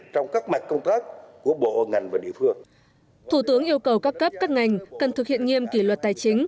thủ tướng yêu cầu các cấp các ngành cần thực hiện nghiêm kỷ luật tài chính